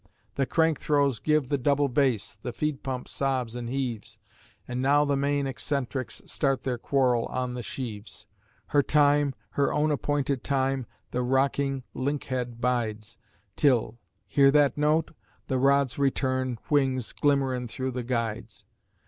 The crank throws give the double bass, the feed pump sobs an' heaves, An' now the main eccentrics start their quarrel on the sheaves: Her time, her own appointed time, the rocking link head bides, Till hear that note? the rod's return whings glimmerin' through the guides.